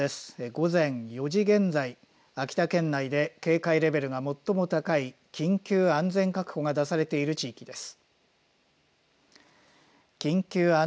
午前４時現在秋田県内で警戒レベルが最も高い緊急安全確保が出されている地域です。